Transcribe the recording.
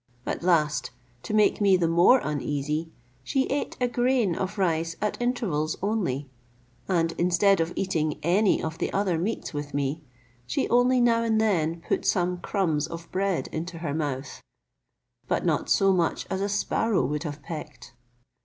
At last, to make me the more uneasy, she ate a grain of rice at intervals only; and instead of eating any of the other meats with me, she only now and then put some crumbs of bread into her mouth, but not so much as a sparrow would have pecked.